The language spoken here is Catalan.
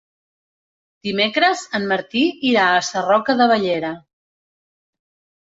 Dimecres en Martí irà a Sarroca de Bellera.